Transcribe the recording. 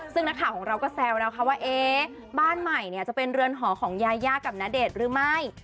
ซึ่งนักข่าวของเราก็แซวนะคะว่าเอ๊ะบ้านใหม่เนี่ยจะเป็นเรือนหอของยายากับณเดชน์หรือไม่